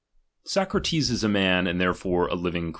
Socrates is a man, and therefore a living DOMINION.